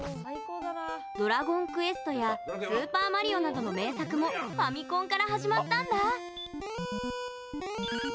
「ドラゴンクエスト」や「スーパーマリオ」などの名作もファミコンから始まったんだ。